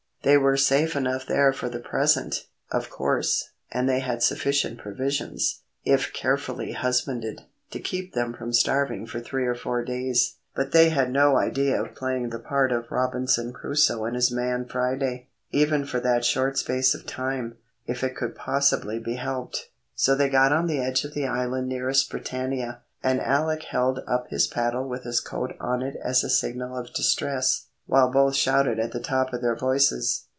They were safe enough there for the present, of course, and they had sufficient provisions, if carefully husbanded, to keep them from starving for three or four days. But they had no idea of playing the part of Robinson Crusoe and his man Friday, even for that short space of time, if it could possibly be helped. So they got on the edge of the island nearest Britannia, and Alec held up his paddle with his coat on it as a signal of distress, while both shouted at the top of their voices.